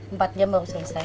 empat jam baru selesai